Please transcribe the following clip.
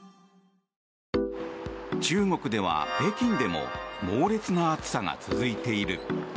中国では、北京でも猛烈な暑さが続いている。